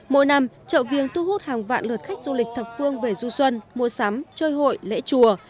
mỗi năm chợ viên thu hút hàng vạn lượt khách du lịch thập phương về du xuân mua sắm chơi hội lễ chùa